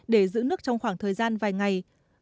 để giữ nước trong khoảng thời gian vài ngày